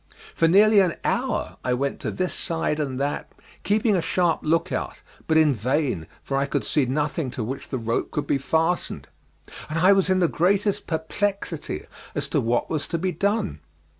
For nearly an hour I went to this side and that, keeping a sharp look out, but in vain; for I could see nothing to which the rope could be fastened, and I was in the greatest perplexity as to what was to be done.